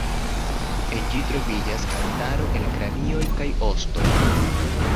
En ĝi troviĝas altaro el kranioj kaj ostoj.